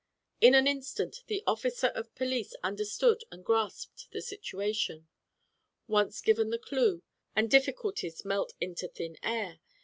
In an instant the officer of police understood and grasped the situation. Once given the clew, and difficulties melt into thin air.